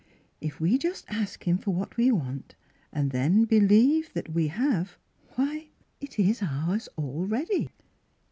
If we just ask Him for w^hat we want, and then believe that we have; why, it is ours already."